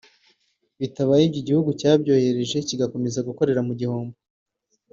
bitabaye ibyo igihugu cyabyohereje kigakomeza gukorera mu gihombo